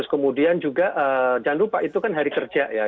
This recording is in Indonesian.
kemudian juga jangan lupa itu kan hari kerja ya